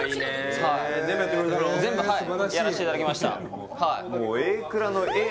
全部はいやらしていただきました